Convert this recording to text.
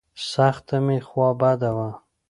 سخته مې خوا بده وه.